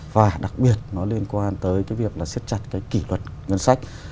và đặc biệt nó liên quan tới cái việc là siết chặt cái kỷ luật ngân sách